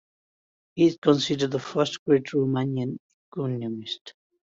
He is considered the first great Roumanian economist.